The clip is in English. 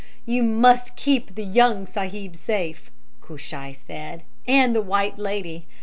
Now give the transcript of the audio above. "'You must keep the young sahib safe,' Cushai said, 'and the white lady.